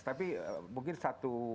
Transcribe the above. tapi mungkin satu